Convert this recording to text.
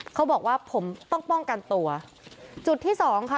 เขาบอกว่าผมต้องป้องกันตัวจุดที่สองค่ะ